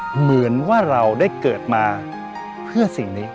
เหมือนว่าเราได้เกิดมาเพื่อสิ่งนี้